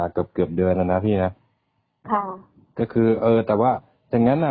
เกือบเกือบเดือนแล้วนะพี่นะค่ะก็คือเออแต่ว่าอย่างงั้นอ่ะ